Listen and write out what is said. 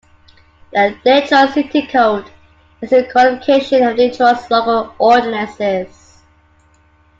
The "Detroit City Code" is the codification of Detroit's local ordinances.